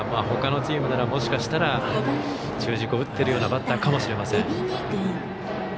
ほかのチームならもしかしたら、中軸を打っているようなバッターかもしれません。